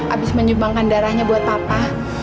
abis menyumbangkan darahnya buat papa